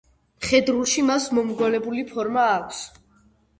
მხედრულში მას მომრგვალებული ფორმა აქვს.